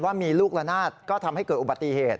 ว่ามีลูกละนาดก็ทำให้เกิดอุบัติเหตุ